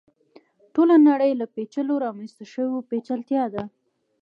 ټوله نړۍ له پېچلو رامنځته شوې پېچلتیا ده.